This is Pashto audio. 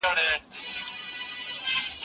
آیا تاسو پوهېږئ چې څنګه خپله وینه معاینه کړئ؟